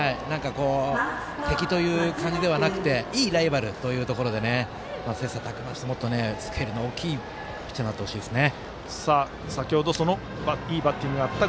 敵という感じではなくていいライバルというところで切磋琢磨してスケールの大きいピッチャーになってほしいですね。